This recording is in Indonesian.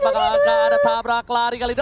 bakal ada tabrak lari kali ini